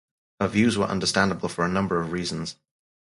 Her views were understandable for a number of reasons.